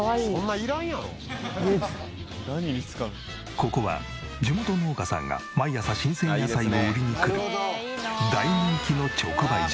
ここは地元農家さんが毎朝新鮮野菜を売りにくる大人気の直売所。